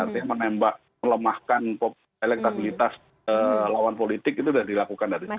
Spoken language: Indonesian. artinya menembak melemahkan elektabilitas lawan politik itu sudah dilakukan dari sekarang